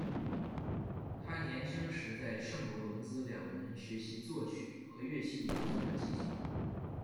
他年轻时在圣罗伦兹两人学习作曲和乐器演奏的技巧。